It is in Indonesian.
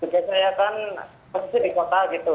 biasanya kan masih di kota gitu